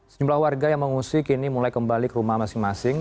sejumlah warga yang mengungsi kini mulai kembali ke rumah masing masing